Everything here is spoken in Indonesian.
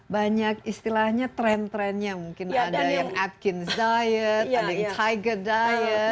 banyak istilahnya tren trennya mungkin ada yang atkin diet ada yang tiger diet